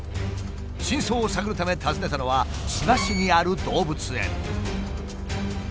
真相を探るため訪ねたのは千葉市にある動物園。